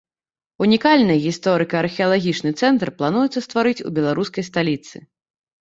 Унікальны гісторыка-археалагічны цэнтр плануецца стварыць у беларускай сталіцы.